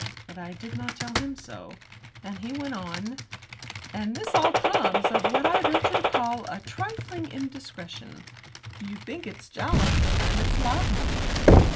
But I did not tell him so. And he went on: "And this all comes of what I venture to call a trifling indiscretion. You think it's jalap, and it's laudanum."